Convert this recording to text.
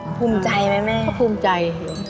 ปภูมิใจไหมแม่แม่